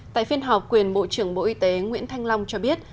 tại phiên họp quyền bộ trưởng bộ y tế nguyễn thanh long cho biết